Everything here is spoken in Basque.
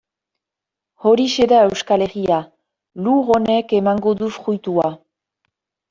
Horixe da Euskal Herria, lur honek emango du fruitua.